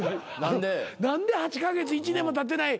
何で８カ月１年もたってない